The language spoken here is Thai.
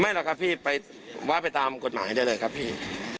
ไม่แล้วครับพี่ว่าไปตามกฎหมายได้เลยครับพี่